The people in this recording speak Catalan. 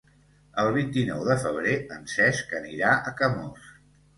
El vint-i-nou de febrer en Cesc anirà a Camós.